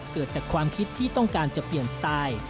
เกิดจากความคิดที่ต้องการจะเปลี่ยนสไตล์